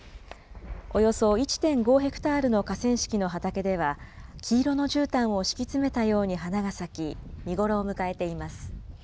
およそ１．５ヘクタールの河川敷の畑では、黄色のじゅうたんを敷き詰めたように花が咲き、見頃を迎えています。